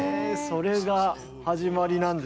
それが始まりなんで。